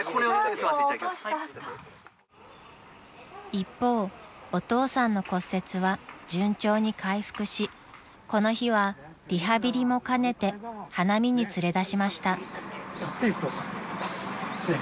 ［一方お父さんの骨折は順調に回復しこの日はリハビリも兼ねて花見に連れ出しました］